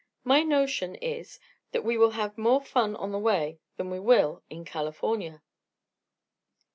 My notion is that we will have more fun on the way than we will in California."